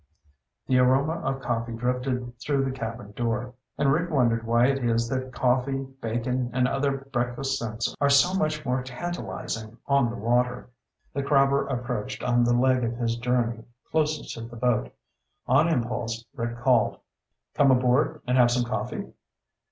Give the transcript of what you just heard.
The aroma of coffee drifted through the cabin door, and Rick wondered why it is that coffee, bacon, and other breakfast scents are so much more tantalizing on the water. The crabber approached on the leg of his journey closest to the boat. On impulse, Rick called, "Come aboard and have some coffee?"